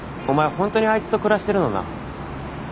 本当にあいつと暮らしてるのな。